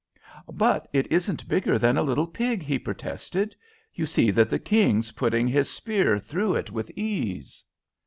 "But it isn't bigger than a little pig," he protested. "You see that the King is putting his spear through it with ease."